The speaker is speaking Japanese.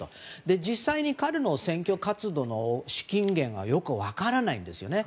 実際に彼の選挙活動の資金源はよく分からないんですよね。